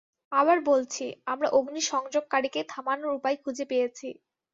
আবার বলছি, আমরা অগ্নিসংযোগকারীকে থামানোর উপায় খুঁজে পেয়েছি।